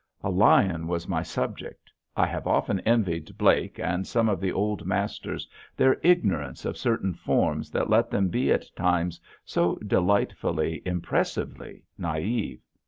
A lion was my subject. I have often envied Blake and some of the old masters their ignorance of certain forms that let them be at times so delightfully, impressively naïve.